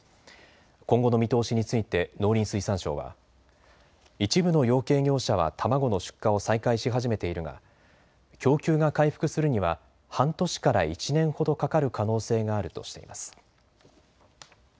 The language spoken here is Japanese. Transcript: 今後の見通しについて農林水産省は一部の養鶏業者は卵の出荷を再開し始めているが供給が回復するには半年から１年ほどかかる可能性があるとしています。